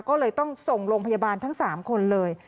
ก็เลยต้องส่งโรงพยาบาลทั้ง๓คนเลย